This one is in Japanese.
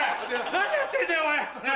何やってんだよお前。